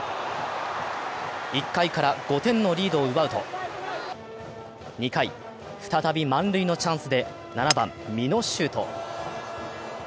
１回から５点のリードを奪うと２回、再び満塁のチャンスで７番・美濃十飛。